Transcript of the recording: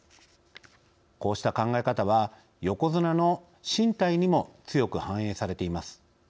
こうした考え方は横綱の進退にも強く反映されています。